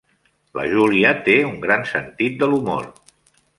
La Júlia té un gran sentit de l'humor.